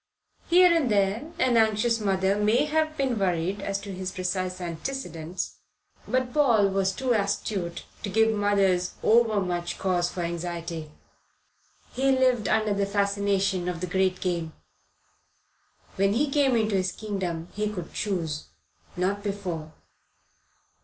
Here and there an anxious mother may have been worried as to his precise antecedents; but Paul was too astute to give mothers over much cause for anxiety. He lived under the fascination of the Great Game. When he came into his kingdom he could choose; not before.